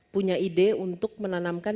punya ide untuk menanamkan